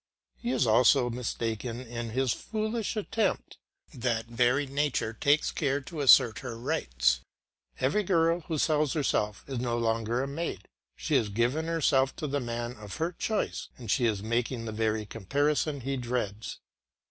He is also mistaken in his foolish attempt; that very nature takes care to assert her rights; every girl who sells herself is no longer a maid; she has given herself to the man of her choice, and she is making the very comparison he dreads.